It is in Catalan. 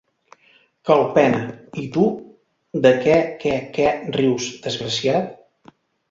Calpena— I tu, de què què què rius, desgraciat?